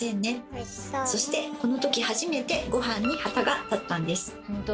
そしてこのとき初めてごはんに旗が立ったんです。